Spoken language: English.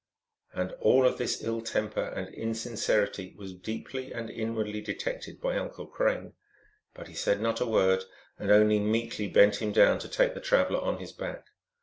" And all of this ill temper and insincerity was deeply and inwardly detected by Uncle Crane, but he said not a word, and only meekly bent him down to take the traveler on his back.